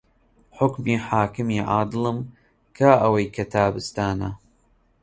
حوکمی حاکمی عادڵم کا ئەوەی کە تابستانە